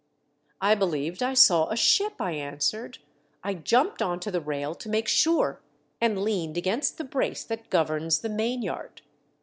" I believed I saw a ship," I answered :" I jumped on to the rail to make sure, and leaned against the brace that governs the main yard.